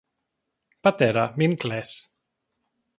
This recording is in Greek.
πατέρα, μην κλαις.